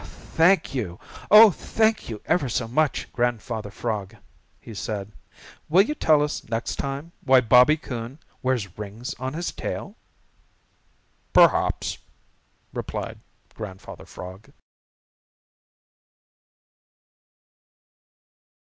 "Thank you, oh, thank you ever so much, Grandfather Frog," he said. "Will you tell us next time why Bobby Coon wears rings on his tail?" "Perhaps," replied Grandfather Frog.